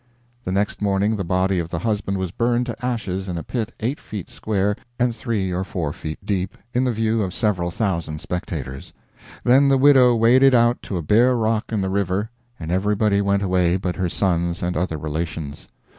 The next morning the body of the husband was burned to ashes in a pit eight feet square and three or four feet deep, in the view of several thousand spectators. Then the widow waded out to a bare rock in the river, and everybody went away but her sons and other relations.